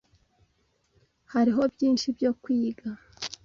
Hariho byinshi byo kwiga.